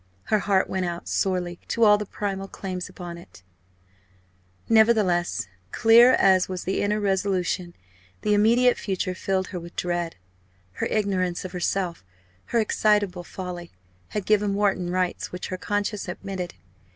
Her heart went out sorely to all the primal claims upon it. Nevertheless, clear as was the inner resolution, the immediate future filled her with dread. Her ignorance of herself her excitable folly had given Wharton rights which her conscience admitted.